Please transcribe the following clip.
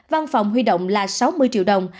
văn phòng huy động là sáu mươi triệu đồng